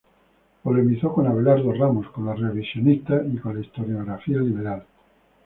Polemizó con Abelardo Ramos, con los revisionistas y con la historiografía liberal.